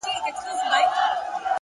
وخت د ارمانونو صداقت څرګندوي،